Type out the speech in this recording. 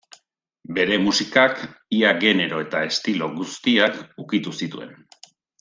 Bere musikak ia genero eta estilo guztiak ukitu zituen.